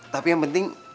tapi yang penting